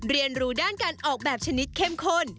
เรียนรู้ด้านการออกแบบชนิดเข้มข้น